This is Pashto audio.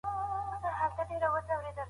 یو ماشوم د نهو میاشتو وو.